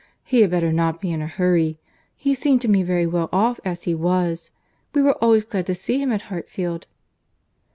"He had better not be in a hurry. He seemed to me very well off as he was. We were always glad to see him at Hartfield."